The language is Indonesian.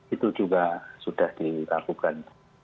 itu juga sudah dilakukan